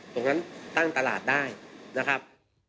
ตรงนั้นตั้งตลาดได้นะครับ